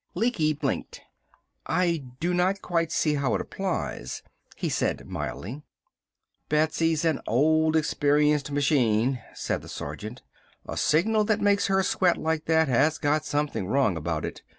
Lecky blinked. "I do not quite see how it applies," he said mildly. "Betsy's an old, experienced machine," said the sergeant. "A signal that makes her sweat like that has got something wrong about it.